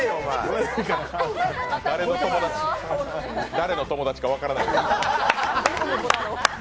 誰の友達か分からない。